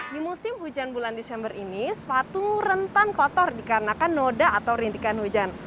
di musim hujan bulan desember ini sepatu rentan kotor dikarenakan noda atau rintikan hujan